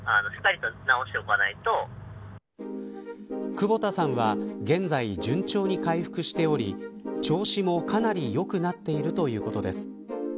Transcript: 窪田さんは現在順調に回復しており調子もかなり良くなっているということです。